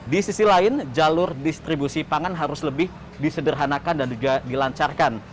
di sisi lain jalur distribusi pangan harus lebih disederhanakan dan juga dilancarkan